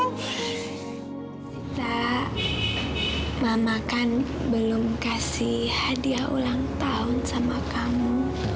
kita mama kan belum kasih hadiah ulang tahun sama kamu